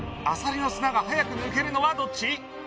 アサリの砂が早く抜けるのはどっち？